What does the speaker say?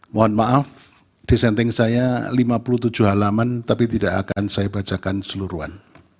mohon maaf dissenting saya lima puluh tujuh halaman tapi tidak akan saya bacakan seluruhan